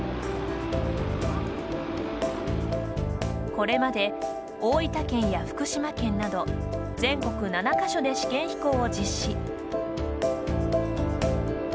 これまで、大分県や福島県など全国７か所で試験飛行を実施。